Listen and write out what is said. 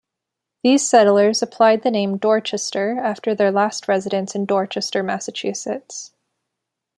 These settlers applied the name "Dorchester" after their last residence in Dorchester, Massachusetts.